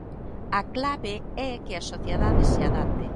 A clave é que a sociedade se adapte.